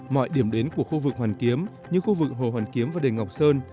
mọi điểm đến của khu vực hoàn kiếm như khu vực hồ hoàn kiếm và đề ngọc sơn